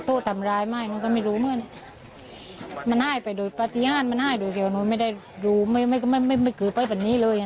โต้ทำร้ายไม่มันห้ายไปโดยปฏิหารมันห้ายโดยเขียวหนูไม่ได้รู้ไม่เกิดไปแบบนี้เลย